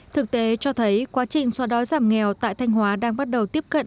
thực tế cho thấy quá trình xóa đói giảm nghèo tại thanh hóa đang bắt đầu tiếp cận